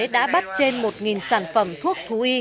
đã bắt trên một sản phẩm thuốc thú y